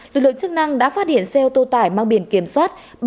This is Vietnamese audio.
lực lượng chức năng đã phát hiện xe ô tô tải mang biển kiểm soát